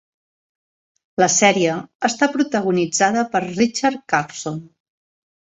La sèrie està protagonitzada per Richard Carlson.